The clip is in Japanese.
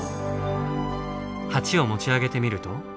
鉢を持ち上げてみると。